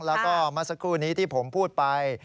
แล้วก็เมื่อสักครู่นี้ที่ผมพูดไป